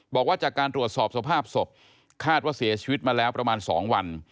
บอกว่าจากการตรวจสอบสภาพศพคาดว่าเสียชีวิตมาแล้วประมาณ๒วัน